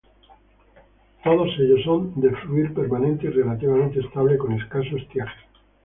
Todos ellos son de fluir permanente y relativamente estable, con escaso estiaje.